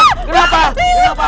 kenapa kenapa kenapa